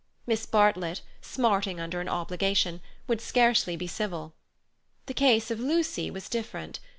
Miss Bartlett, smarting under an obligation, would scarcely be civil. The case of Lucy was different.